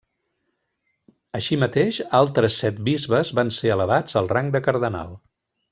Així mateix, altres set bisbes van ser elevats al rang de cardenal.